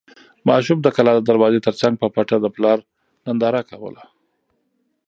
ماشوم د کلا د دروازې تر څنګ په پټه د پلار ننداره کوله.